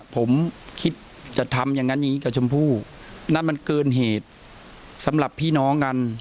ผมคิดจะทำอย่างนั้นอย่างนี้กับชมพู่นั่นมันเกินเหตุสำหรับพี่น้องกัน